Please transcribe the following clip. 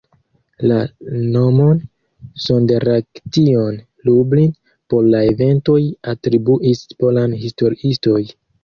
La nomon "Sonderaktion Lublin" por la eventoj atribuis polaj historiistoj.